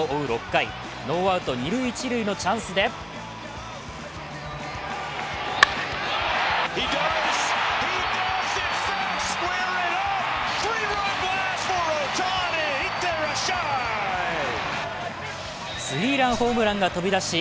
６回、ノーアウト二塁・一塁のチャンスでスリーランホームランが飛び出し